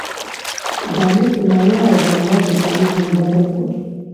جامد په مایع او مایع په جامد هم بدل کړو.